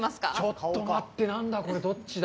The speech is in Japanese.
ちょっと待って、何だこれ、どっちだ。